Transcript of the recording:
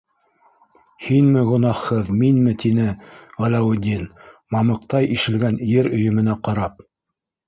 Һинме гонаҫһыҙ, минме, - тине Ғәләүетдин, мамыҡтай ишелгән ер өйөмөнә ҡарап.